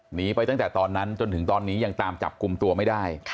หนีไปตั้งแต่ตอนนั้นจนถึงตอนนี้ยังตามจับกลุ่มตัวไม่ได้